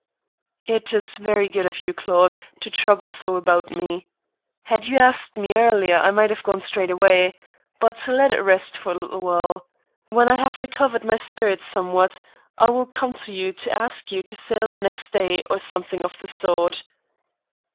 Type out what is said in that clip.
"It is very good of you, Claude, to trouble so about me. Had you asked me earlier I might have gone straight away. But let it rest for a little while. When I have recovered my spirits somewhat I will come to you to ask you to sail next day, or something of the sort."